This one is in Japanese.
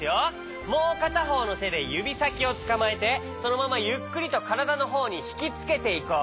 もうかたほうのてでゆびさきをつかまえてそのままゆっくりとからだのほうにひきつけていこう。